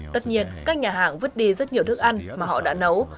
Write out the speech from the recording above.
tất nhiên các nhà hàng vứt đi rất nhiều thức ăn mà họ đã nấu